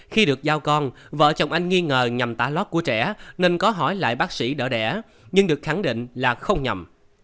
khi được giao con vợ chồng anh nghi ngờ nhầm tả lót của trẻ nên có hỏi lại bác sĩ đỡ đẻ nhưng được khẳng định là không nhầm